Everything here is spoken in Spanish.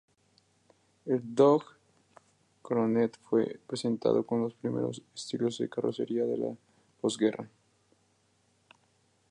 El Dodge Coronet fue presentado con los primeros estilos de carrocería de la posguerra.